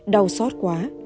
đau xót quá